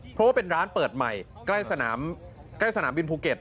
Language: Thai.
เพราะว่าเป็นร้านเปิดใหม่ใกล้สนามใกล้สนามบินภูเก็ต